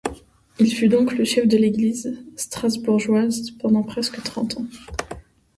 Il fut donc le chef de l'Église strasbourgeoise pendant presque trente ans.